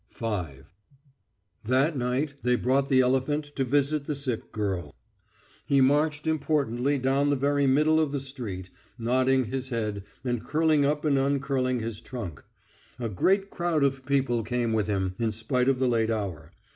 V That night they brought the elephant to visit the sick girl. He marched importantly down the very middle of the street, nodding his head and curling up and uncurling his trunk. A great crowd of people came with him, in spite of the late hour.